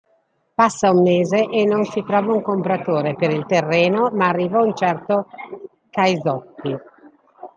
Passa un mese e non si trova un compratore per il terreno ma arriva un certo Caisotti.